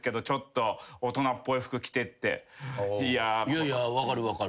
いやいや分かる分かる。